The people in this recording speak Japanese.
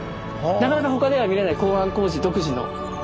なかなかほかでは見れない港湾工事独自の。